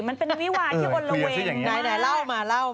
มันเป็นวิวาที่อลละเวงมากนายเล่ามา